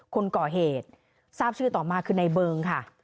คนก่อเหตุทราบชื่อต่อมาคือในเบิงค่ะ